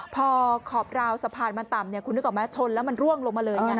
พอขอบราวสะพานมันต่ำคุณนึกออกไหมชนแล้วมันร่วงลงมาเลย